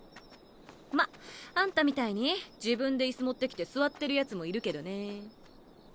まっあんたみたいに自分で椅子持ってきて座ってるヤツもいるけどね。